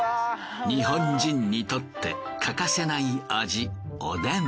日本人にとって欠かせない味